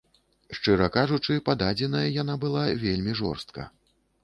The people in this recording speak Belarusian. Шчыра кажучы, пададзеная яна была вельмі жорстка.